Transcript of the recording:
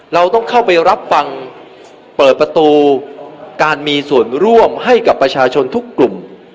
เราต้องเข้าไปรับฟังเปิดประตูการมีส่วนร่วมให้กับประชาชนทุกกลุ่ม